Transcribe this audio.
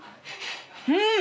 うん。